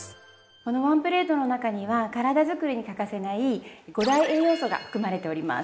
このワンプレートの中には体づくりに欠かせない５大栄養素が含まれております。